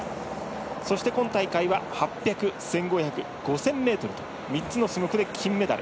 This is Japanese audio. そして今大会は８００、１５００５０００ｍと３つの種目で金メダル。